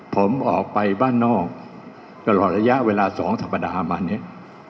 ผมออกไปบ้านนอกตลอดระยะเวลา๒สัปดาห์มาเนี่ย